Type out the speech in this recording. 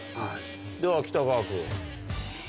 では北川君。